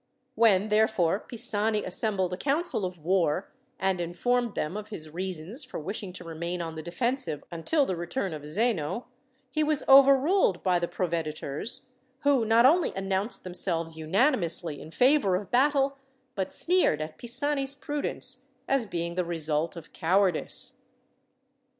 When, therefore, Pisani assembled a council of war, and informed them of his reasons for wishing to remain on the defensive until the return of Zeno, he was overruled by the proveditors, who not only announced themselves unanimously in favour of battle, but sneered at Pisani's prudence as being the result of cowardice.